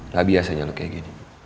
nah biasanya lu kayak gini